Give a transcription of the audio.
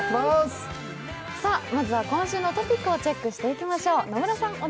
まずは、今週のトピックをチェックしていきましょう。